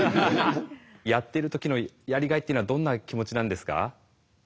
やってる時のやりがいっていうのはどんな気持ちなんですか？